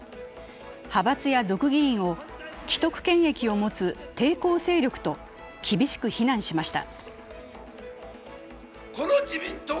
派閥や族議員を、既得権益を持つ抵抗勢力と厳しく非難しました。